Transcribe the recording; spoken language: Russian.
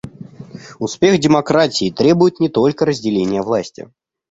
Успех демократии требует не только разделения власти.